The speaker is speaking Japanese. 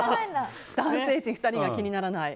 男性陣２人が気にならない。